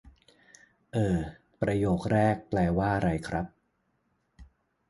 เอ่อ ประโยคแรกแปลว่าไรครับ?